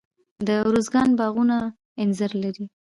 د ارزګان باغونه انځر لري.